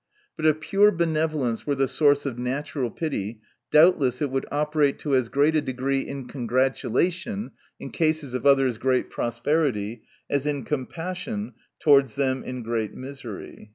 But if pure benevolence were liie source of natural pity, doubtless it would operate to as great a degree in congratulation, in cases of others' great prosperity, as in compassion towards them in great misery.